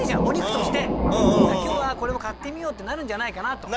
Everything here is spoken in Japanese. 今日はこれを買ってみようってなるんじゃないかなと。